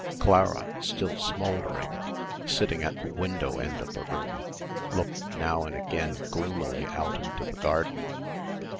Clara, still smouldering, sitting at the window end of the room looked now and again gloomily out into the garden.